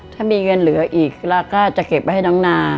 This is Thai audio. ถ้ามีเงินเหลืออีกเราก็จะเก็บไว้ให้น้องนา